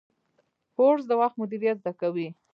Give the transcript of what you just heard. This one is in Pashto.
کورس د وخت مدیریت زده کوي.